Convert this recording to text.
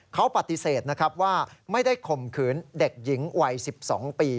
เขาปฏิเสธนะครับว่าไม่ได้ข่มขืนเด็กหญิงวัย๑๒ปี